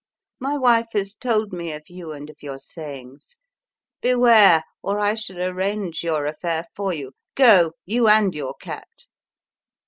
My wife has told me of you and of your sayings. Beware! or I shall arrange your affair for you! Go! you and your cat!"